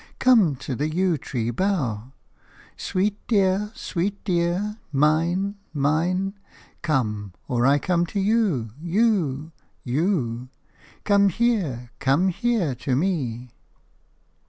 Come to the yew tree bough! Sweet dear! Sweet dear! Mine! Mine! Come, or I come to you – you – you! Come here, come here to me!"